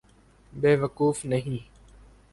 بے وقوف نہیں۔